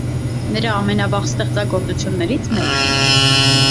Նրա ամենավաղ ստեղծագործություններից մեկը։